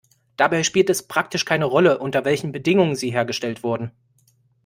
Dabei spielt es praktisch keine Rolle, unter welchen Bedingungen sie hergestellt wurden.